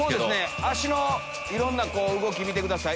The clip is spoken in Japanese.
脚のいろんな動き見てください。